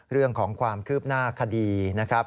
เรื่องของความคืบหน้าคดีนะครับ